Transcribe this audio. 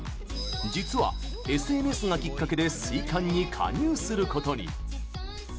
実はＳＮＳがきっかけで水カンに加入することに。